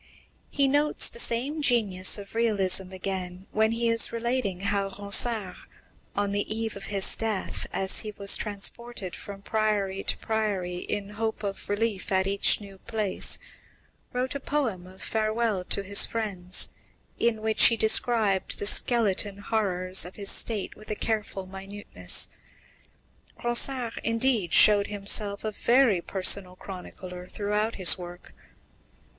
He notes the same genius of realism again when he is relating how Ronsard, on the eve of his death, as he was transported from priory to priory, in hope of relief in each new place, wrote a poem of farewell to his friends, in which he described the skeleton horrors of his state with a minute carefulness, Ronsard, indeed, showed himself a very personal chronicler throughout his work.